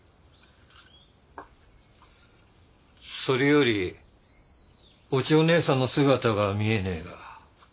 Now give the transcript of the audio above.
それよりお千代ねえさんの姿が見えねえが。